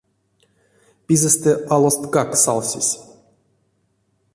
Пизэстэ алосткак салсесь.